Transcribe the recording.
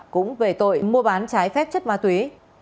cũng về tội mua bán trái phép chất ma túy